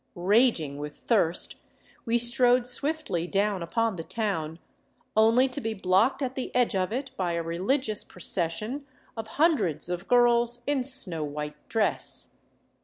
Raging with thirst, we strode swiftly down upon the town, only to be blocked at the edge of it by a religious pro cession of hundreds of girls in snow white dress.